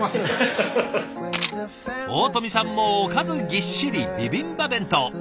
大富さんもおかずぎっしりビビンバ弁当。